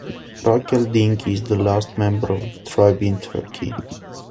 Rakel Dink is the last member of the tribe in Turkey.